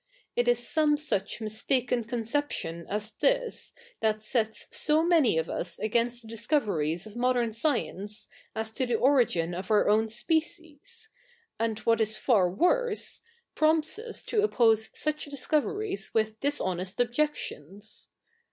It is soffie such mistaken co?iception as this that sets so ma7iy of us agai?ist the discoveries of moder?i science as to the origijt of our own CH. i] THE NEW REPUBLIC // species^ a?id what is far woise^ prof)ipts us to oppose such discoveries with dishonest objectio7is.